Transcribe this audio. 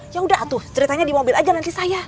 ya udah aduh ceritanya di mobil aja nanti saya